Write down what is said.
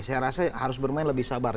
saya rasa harus bermain lebih sabar